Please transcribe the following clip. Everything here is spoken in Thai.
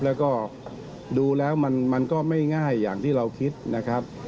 แล้วก็ดูแล้วมันก็ไม่ง่ายอย่างที่เราคิดนะครับ